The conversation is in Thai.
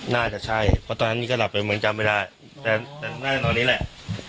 น่าจะใช่เพราะตอนนั้นนี่ก็หลับไปเหมือนจำไม่ได้แต่น่าจะตอนนี้แหละ